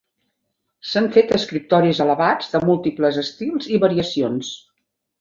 S'han fet escriptoris elevats de múltiples estils i variacions.